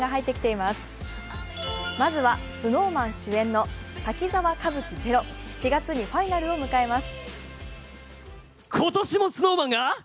まずはＳｎｏｗＭａｎ主演の「滝沢歌舞伎ＺＥＲＯ」４月にファイナルを迎えます。